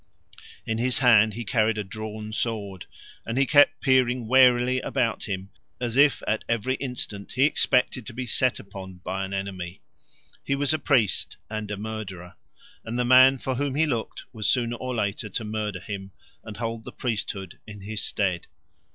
In his hand he carried a drawn sword, and he kept peering warily about him as if at every instant he expected to be set upon by an enemy. He was a priest and a murderer; and the man for whom he looked was sooner or later to murder him and hold the priesthood in his stead.